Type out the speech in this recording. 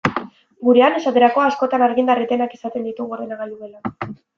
Gurean, esaterako, askotan argindar etenak izaten ditugu ordenagailu gelan.